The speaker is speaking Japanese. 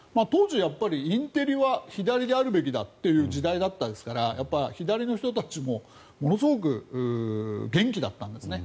当時、インテリは左であるべきだという時代でしたから左の人たちもものすごく元気だったんですね。